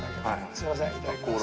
すいませんいただきます。